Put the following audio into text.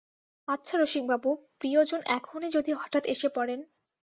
আচ্ছা রসিকবাবু, প্রিয়জন এখনই যদি হঠাৎ এসে পড়েন?